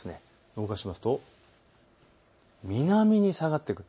動かしますと南に下がってくる。